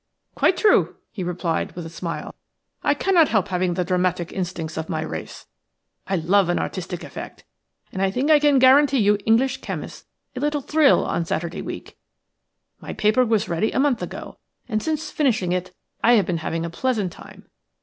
"Quite true," he replied, with a smile. "I cannot help having the dramatic instincts of my race. I love an artistic effect, and I think I can guarantee you English chemists a little thrill on Saturday week. My paper was ready a month ago, and since finishing it I have been having a pleasant time.